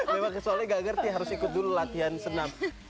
memang soalnya gak ngerti harus ikut dulu latihan senam